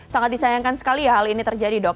sangat disayangkan sekali ya hal ini terjadi dok